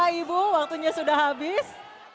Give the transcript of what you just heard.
bapak ibu waktunya sudah habis